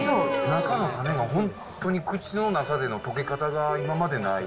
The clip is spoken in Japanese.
中の種が口の中でのとけ方が今までない。